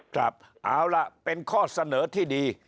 ครับเอาล่ะเป็นข้อเสนอที่ดี